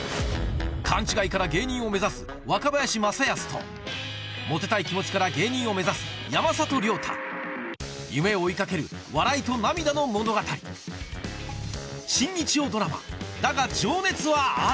勘違いから芸人を目指す若林正恭とモテたい気持ちから芸人を目指す山里亮太夢を追い掛ける笑いと涙の物語日テレ